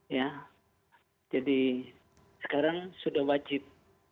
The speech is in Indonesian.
ya jadi sekarang sudah wajib